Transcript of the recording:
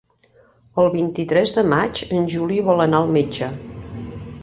El vint-i-tres de maig en Juli vol anar al metge.